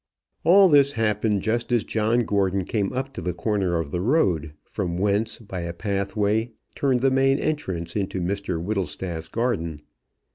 All this happened just as John Gordon came up to the corner of the road, from whence, by a pathway, turned the main entrance into Mr Whittlestaff's garden.